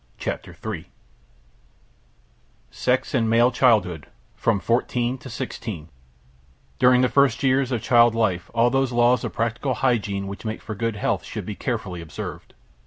CHAPTER III SEX IN MALE CHILDHOOD (FROM 14 TO 16) During the first years of child life all those laws of practical hygiene which make for good health should be carefully observed.